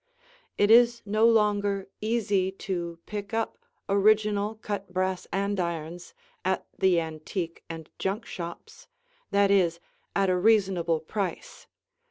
It is no longer easy to pick up original, cut brass andirons at the antique and junk shops, that is, at a reasonable price.